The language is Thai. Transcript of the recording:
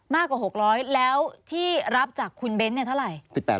มากกว่า๖๐๐แล้วที่รับจากคุณเบ้นเนี่ยเท่าไหร่